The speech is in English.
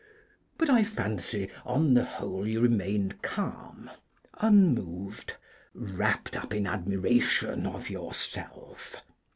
But I fancy, on the whole, you remained calm, unmoved, wrapped up in admiration of yourself.